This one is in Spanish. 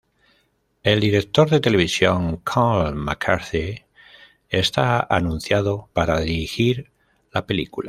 El director de televisión Colm McCarthy está anunciado para dirigir la película.